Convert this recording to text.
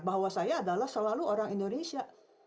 bahwa saya adalah selalu orang indonesia